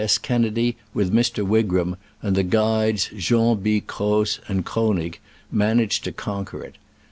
S. Kennedy, with Mr. Wigram and the guides Jean B. Croz and Kronig, managed to conquer it.